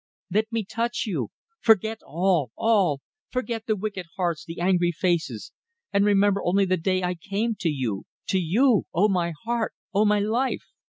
Let me touch you. Forget all ... All. Forget the wicked hearts, the angry faces ... and remember only the day I came to you ... to you! O my heart! O my life!"